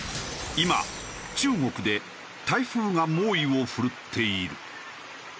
今中国で台風が猛威を振るっている。